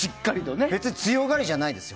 別に強がりじゃないですよ。